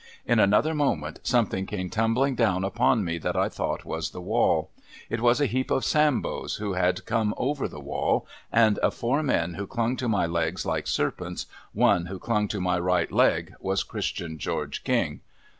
In another moment, something came tumbling down upon me that I thought was the wall. It was a heap of Sambos who had come over the wall ; and of four men who clung to my legs like serpents, one who clung to my right leg was Christian George King.